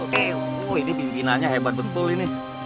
oh ini pimpinannya hebat betul ini